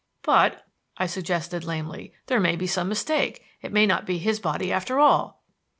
"But," I suggested lamely, "there may be some mistake. It may not be his body after all."